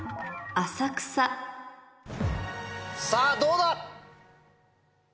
さぁどうだ？